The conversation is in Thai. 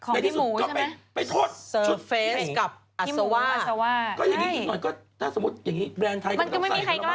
ของพี่หมูใช่ไหม